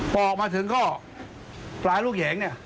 ปอกมาถึงข้อปลายลูกแห่งเนี่ย